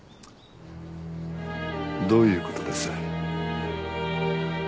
どういう事です？